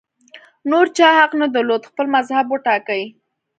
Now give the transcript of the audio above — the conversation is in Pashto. نور چا حق نه درلود خپل مذهب وټاکي